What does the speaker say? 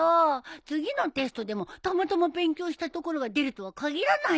次のテストでもたまたま勉強したところが出るとはかぎらないじゃん。